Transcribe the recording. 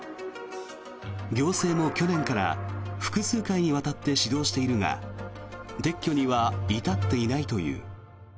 行政も去年から複数回にわたって指導しているが撤去には至っていないという。